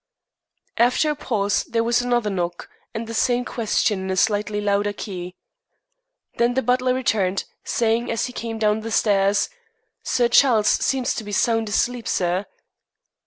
After a pause, there was another knock, and the same question in a slightly louder key. Then the butler returned, saying as he came down the stairs: "Sir Charles seems to be sound asleep, sir."